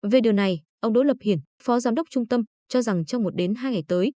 về điều này ông đỗ lập hiển phó giám đốc trung tâm cho rằng trong một đến hai ngày tới